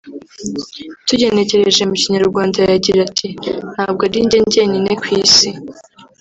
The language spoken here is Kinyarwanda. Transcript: tugenekereje mu Kinyarwanda yagiraga ati “Ntabwo ari njye njyenyine ku isi